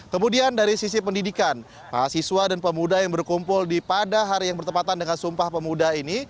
kemudian dari sisi pendidikan mahasiswa dan pemuda yang berkumpul pada hari yang bertepatan dengan sumpah pemuda ini